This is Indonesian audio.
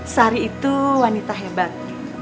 sari itu wanita hebat